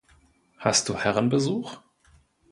Hast du Herrenbesuch?